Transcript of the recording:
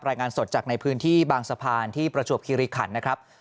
รายงานสดจากในพื้นที่บางสะพานที่ประจวบคิริขันนะครับ